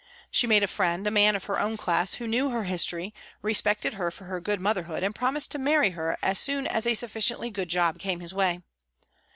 She made a friend, a man of her own class, who knew her history, respected her for her good motherhood and promised to marry her as soon as a sufficiently good job came his way.